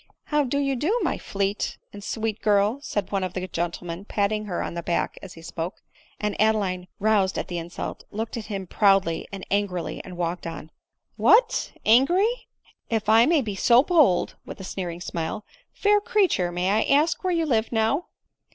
" How do you do, my fleet and sweet girl ?" said one of the gentlemen, patting her on the back as he spoke ; and Adeline, roused at the insult, looked at him proudly and angrily, and walked on. " What ! angry ! If I may be so bold, (with a sneering smile,) fair creature, may I ask where you live now